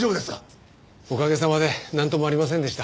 おかげさまでなんともありませんでした。